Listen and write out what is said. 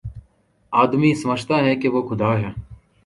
آدمی سمجھتا ہے کہ وہ خدا ہے